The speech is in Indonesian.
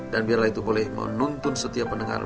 dan biarlah itu boleh menuntun setiap pendengar